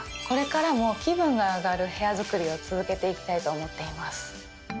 これからも気分が上がる部屋作りを続けて行きたいと思っています。